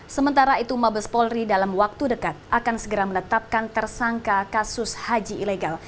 sementara itu mabes polri dalam waktu dekat akan segera menetapkan tersangka kasus haji ilegal